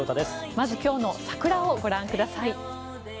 まず今日の桜をご覧ください。